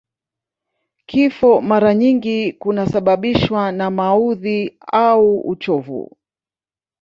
Kifo mara nyingi kunasababishwa na maudhi au uchovu